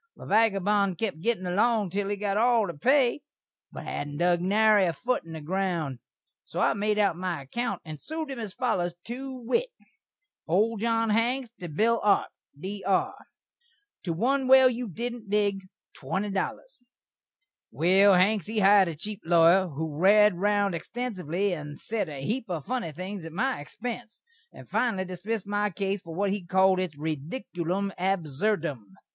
The vagabon kep gittin' along til he got all the pay, but hadn't dug nary a foot in the ground. So I made out my akkount, and sued him as follers, to wit: Old John Hanks, to Bill Arp Dr. To 1 well you didn't dig $20 Well, Hanks, he hired a cheep lawyer, who rared round xtensively, and sed a heep of funny things at my xpense, and finally dismissd my case for what he calld its "ridikulum abserdum."